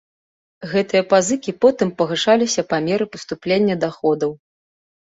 Гэтыя пазыкі потым пагашаліся па меры паступлення даходаў.